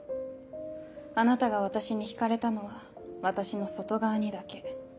あなたが私に引かれたのは私の外側にだけ。